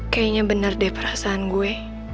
kayaknya bener deh perasaan gue